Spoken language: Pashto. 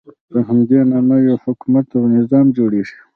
په همدې نامه یو حکومت او نظام جوړېږي.